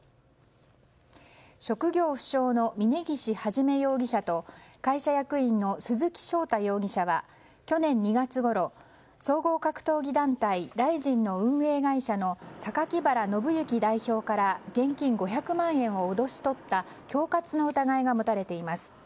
職業不詳の峯岸一容疑者と会社役員の鈴木翔太容疑者は去年２月ごろ総合格闘技団体ＲＩＺＩＮの運営会社の榊原信行代表から現金５００万円を脅し取った恐喝の疑いが持たれています。